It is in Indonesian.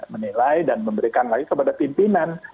menilai dan memberikan lagi kepada pimpinan